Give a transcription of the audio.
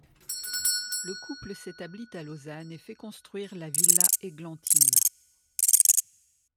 Le couple s’établit à Lausanne et fait construire la villa Églantine.